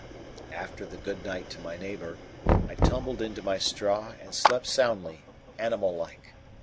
After the good night to my neighbour, I tumbled into my straw and slept soundly, animal like.